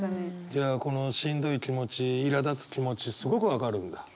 じゃあこのしんどい気持ちいらだつ気持ちすごく分かるんだ？